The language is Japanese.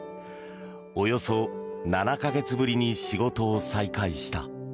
およそ７か月ぶりに仕事を再開した。